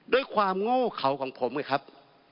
ด้วยความโง่เขาของผมไงครับ